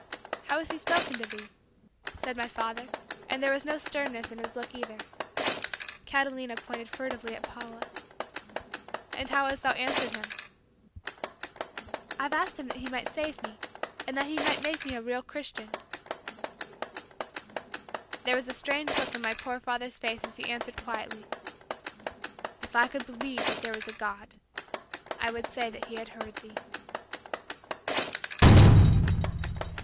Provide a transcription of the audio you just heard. "How has He spoken to thee?" said my father, and there was no sternness in his look either. Catalina pointed furtively at Paula. "And how hast thou answered Him?" "I've asked Him that He might save me and that He might make me a real Christian." There was a strange look in my poor father's face as he answered quietly, "If I could believe that there was a God, I would say that He had heard thee."